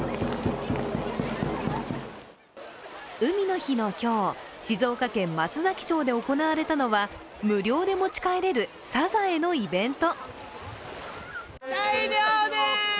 海の日の今日、静岡県松崎町で行われたのは、無料で持ち帰れるサザエのイベント。